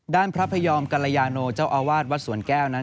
ด้านพระพยอมกรยานโจ้อาวาทวัดสวนแก้วนั้น